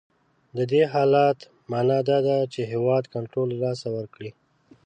د دې حالت معنا دا ده چې هیواد کنټرول له لاسه ورکړی.